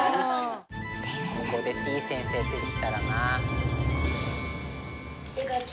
ここでてぃ先生出てきたらな。